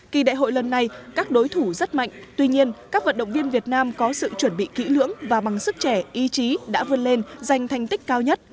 kỳ đại hội lần này các đối thủ rất mạnh tuy nhiên các vận động viên việt nam có sự chuẩn bị kỹ lưỡng và bằng sức trẻ ý chí đã vươn lên giành thành tích cao nhất